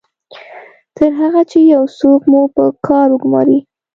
تر هغه چې یو څوک مو په کار وګماري